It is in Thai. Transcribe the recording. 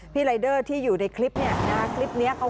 พี่รายเดอร์ที่อยู่ในคลิปอยากดูข้อเรียนข้าว